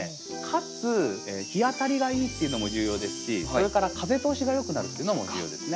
かつ日当たりがいいっていうのも重要ですしそれから風通しが良くなるっていうのも重要ですね。